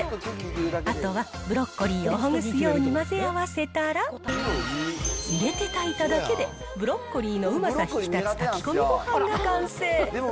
あとはブロッコリーをほぐすように混ぜ合わせたら、入れて炊いただけで、ブロッコリーのうまさ引き立つ炊き込みごはんが完成。